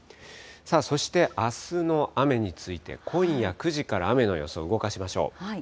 そして、あすの雨について、今夜９時から、雨の予想、動かしましょう。